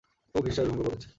ও বিশ্বাস ভঙ্গ করেছে।